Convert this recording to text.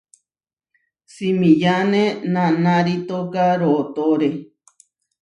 Simiyáne naʼnarítoka rootóre.